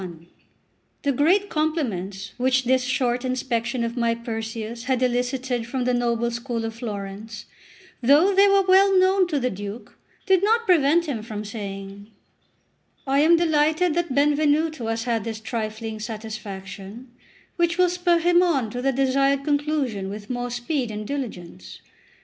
XCI THE GREAT compliments which this short inspection of my Perseus had elicited from the noble school of Florence, though they were well known to the Duke, did not prevent him from saying: "I am delighted that Benvenuto has had this trifling satisfaction, which will spur him on to the desired conclusion with more speed and diligence.